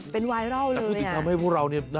เป็นไวรัลเลย